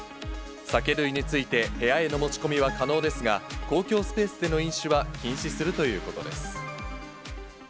酒類について、部屋への持ち込みは可能ですが、公共スペースでの飲酒は禁止するということです。